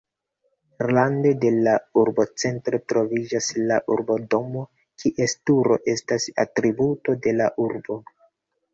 Rande de la urbocentro troviĝas la urbodomo, kies turo estas atributo de la urbo.